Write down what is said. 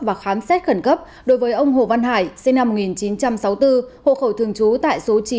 và khám xét khẩn cấp đối với ông hồ văn hải sinh năm một nghìn chín trăm sáu mươi bốn hộ khẩu thường trú tại số chín